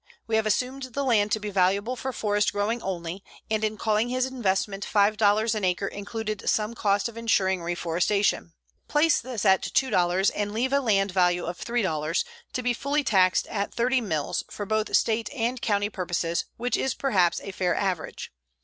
We have assumed the land to be valuable for forest growing only, and in calling his investment $5 an acre included some cost of insuring reforestation. Place this at $2 and leave a land value of $3, to be fully taxed at 30 mills for both state and county purposes, which is perhaps a fair average.